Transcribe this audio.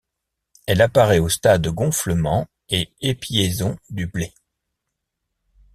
Elle apparait au stade gonflement et épiaison du blé.